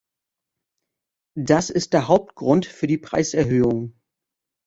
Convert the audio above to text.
Das ist der Hauptgrund für die Preiserhöhungen.